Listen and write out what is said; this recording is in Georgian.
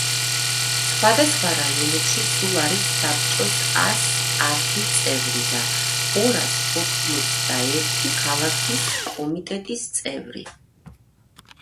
სხვადასხვა რაიონებში სულ არის საბჭოს ას ათი წევრი და ორას ოთხმოცდაერთი ქალაქის კომიტეტის წევრი.